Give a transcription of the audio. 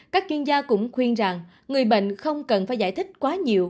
các chuyên gia cũng khuyên rằng người bệnh không cần phải giải thích quá nhiều